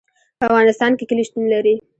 په افغانستان کې کلي شتون لري.